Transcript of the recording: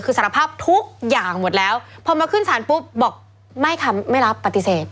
คือสารภาพทุกอย่างหมดแล้วพอมาขึ้นสารปุ๊บบอกไม่ค่ะไม่รับปฏิเสธ